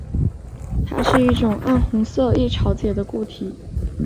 它是一种暗红色易潮解的固体。